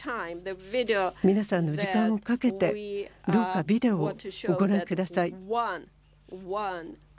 皆さんの時間をかけてどうか、ビデオをご覧ください。